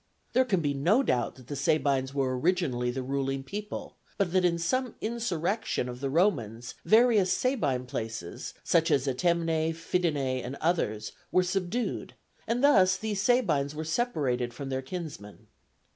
There can be no doubt that the Sabines were originally the ruling people, but that in some insurrection of the Romans various Sabine places, such as Antemnæ, Fidenæ, and others, were subdued, and thus these Sabines were separated from their kinsmen.